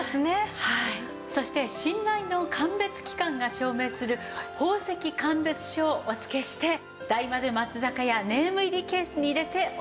そして信頼の鑑別機関が証明する宝石鑑別書をお付けして大丸松坂屋ネーム入りケースに入れてお届け致します。